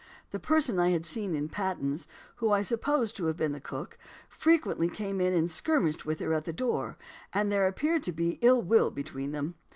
The person I had seen in pattens (who I suppose to have been the cook) frequently came and skirmished with her at the door, and there appeared to be ill will between them."